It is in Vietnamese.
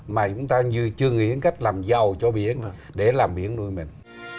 mà chúng ta chưa nghĩ đến cách làm giàu cho biển để làm biển nuôi mình